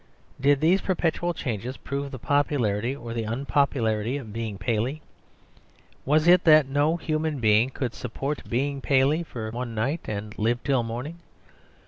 Did these perpetual changes prove the popularity or the unpopularity of being Paley? Was it that no human being could support being Paley for one night and live till morning?